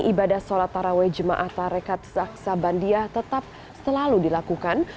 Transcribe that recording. ibadah sholat taraweh jemaah tarekat zaksabandia tetap selalu dilakukan